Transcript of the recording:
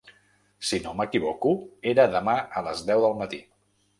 Si no m'equivoco era demà a les deu del matí.